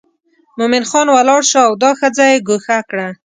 مومن خان ولاړ شو او دا ښځه یې ګوښه کړه.